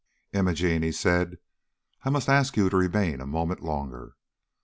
"Imogene," he said, "I must ask you to remain a moment longer.